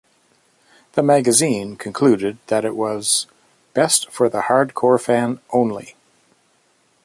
The magazine concluded that it was "best for the hard-core fan only".